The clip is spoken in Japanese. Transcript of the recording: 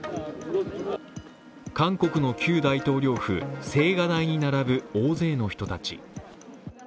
韓国の旧大統領府・青瓦台に並ぶ大勢の人たち。